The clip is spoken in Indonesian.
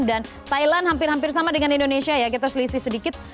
thailand hampir hampir sama dengan indonesia ya kita selisih sedikit